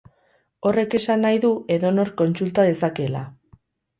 Horrek esan nahi du edonork kontsulta dezakeela.